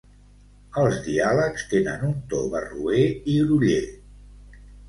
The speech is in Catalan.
Els diàlegs tenen un to barroer i groller.